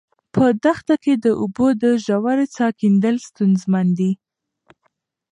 په دښته کې د اوبو د ژورې څاه کیندل ستونزمن دي.